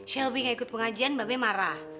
shelby gak ikut pengajian mbak be marah